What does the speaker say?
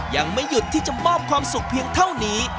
ยังไม่หยุดที่จะมอบความสุขเพียงเท่านี้